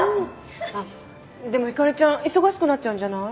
あっでもひかりちゃん忙しくなっちゃうんじゃない？